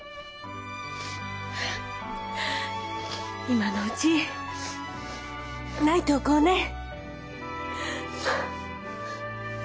今のうち泣いておこうねえ。